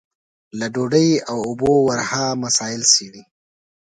له ډوډۍ او اوبو ورها مسايل څېړي.